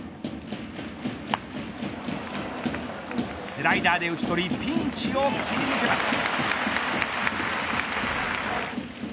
スライダーで打ち取りピンチを切り抜けます。